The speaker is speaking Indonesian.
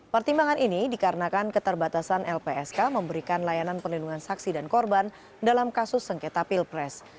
pertimbangan ini dikarenakan keterbatasan lpsk memberikan layanan perlindungan saksi dan korban dalam kasus sengketa pilpres